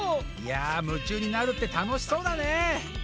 いや夢中になるってたのしそうだね！